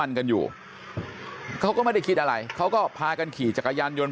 กันอยู่เขาก็ไม่ได้คิดอะไรเขาก็พากันขี่จักรยานยนต์